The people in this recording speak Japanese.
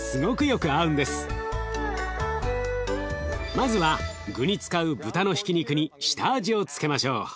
まずは具に使う豚のひき肉に下味を付けましょう。